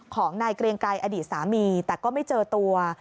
ของนายเกรียงไกรอดีตสามีแต่ก็ไม่เจอตัว